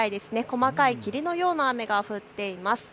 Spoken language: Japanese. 細かい霧のような雨が降っています。